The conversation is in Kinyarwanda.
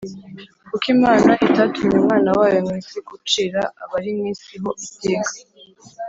“Kuko Imana itatumye Umwana wayo mu isi gucira abari mu isi ho iteka: